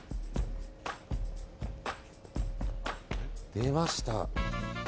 出ました。